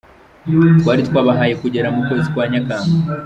Twari twabahaye kugera mu kwezi kwa Nyakanga.